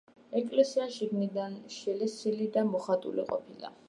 ეკლესია შიგნიდან შელესილი და მოხატული ყოფილა.